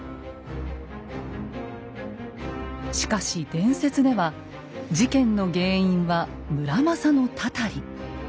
しかし伝説では事件の原因は村正の祟り。